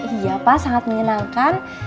iya pak sangat menyenangkan